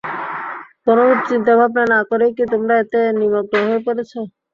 কোনরূপ চিন্তা-ভাবনা না করেই কি তোমরা এতে নিমগ্ন হয়ে পড়েছ?